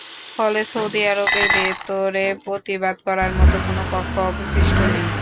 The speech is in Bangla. ফলে সৌদি আরবের ভেতরে প্রতিবাদ করার মতো কোনো পক্ষ অবশিষ্ট নেই।